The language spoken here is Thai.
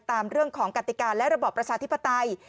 ตามเรื่องของกติกาและระบอบประชาธิปไตย